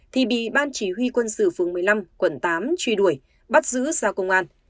thì bị ban chỉ huy quân sự phường một mươi năm quận tám truy đuổi bắt giữ ra công an